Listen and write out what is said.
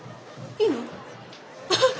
いいの？